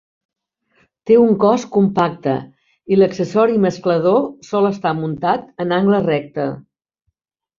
Té un cos compacte, i l'accessori mesclador sol estar muntat en angle recte.